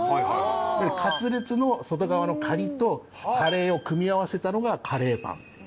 カツレツの外側の「カリっ」とカレーを組み合わせたのがカレーパン。